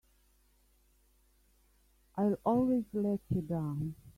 I'll always let you down!